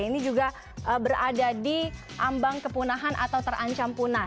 ini juga berada di ambang kepunahan atau terancam punah